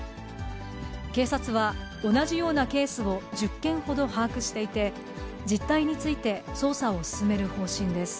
警察は同じようなケースを１０件ほど把握していて、実態について捜査を進める方針です。